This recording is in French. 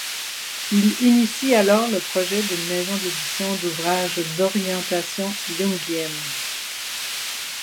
Il initie alors le projet d’une maison d’édition d'ouvrages d'orientation jungienne.